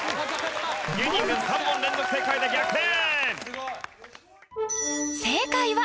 芸人軍３問連続正解で逆転！